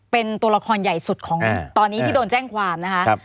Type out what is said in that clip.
เป็นตัวละครใหญ่สุดของตอนนี้ที่โดนแจ้งความนะคะ